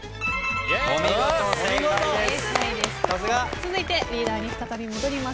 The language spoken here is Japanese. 続いてリーダーに再び戻ります。